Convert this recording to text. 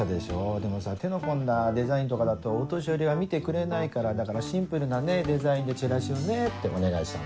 でもさ手の込んだデザインとかだとお年寄りは見てくれないからだからシンプルなデザインでチラシをねってお願いしたの。